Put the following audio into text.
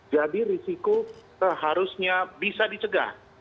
jadi risiko seharusnya bisa dicegah